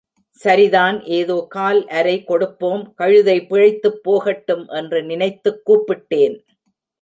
சரிதான் ஏதோ கால் அரை கொடுப்போம் கழுதை பிழைத்துப் போகட்டும் என்று நினைத்துக் கூப்பிட்டேன்.